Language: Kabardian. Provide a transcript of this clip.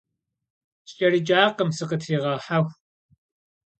СкӀэрыкӀакъым, сыкъытригъэхьэху.